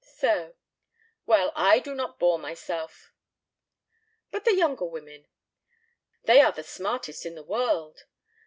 "So. Well, I do not bore myself." "But the younger women. They are the smartest in the world.